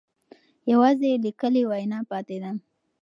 یوازې لیکلې وینا پاتې ده.